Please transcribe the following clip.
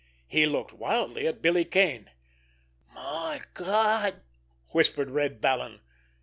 He looked wildly at Billy Kane. "My Gawd!" whispered Red Vallon.